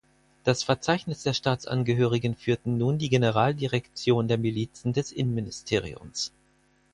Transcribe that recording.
Das Verzeichnis der Staatsangehörigen führten nun die Generaldirektion der Milizen des Innenministeriums.